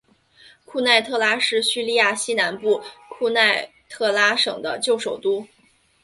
库奈特拉是叙利亚西南部库奈特拉省的旧首都。